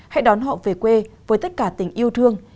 hãy đón họ về quê với tất cả tình yêu thương